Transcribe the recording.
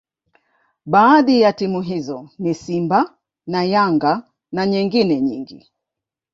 baadhi ya timu hizo ni simba na yanga na nyengine nyingi